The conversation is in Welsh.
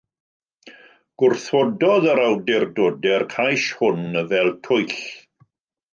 Gwrthododd yr awdurdodau'r cais hwn fel twyll.